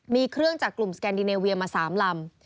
มีเครื่องจากกลุ่มสแกนดิเนเวียมา๓ลำ